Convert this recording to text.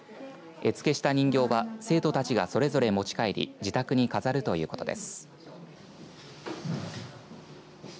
絵付けした人形は生徒たちがそれぞれ持ち帰り自宅に飾るということです。